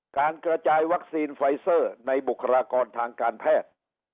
การกระจายวัคซีนไฟเซอร์ในบุคลากรทางการแพทย์